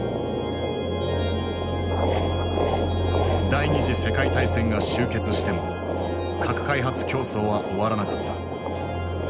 第二次世界大戦が終結しても核開発競争は終わらなかった。